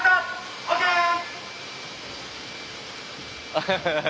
アハハハハ。